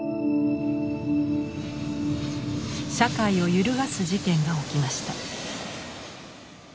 社会を揺るがす事件が起きました。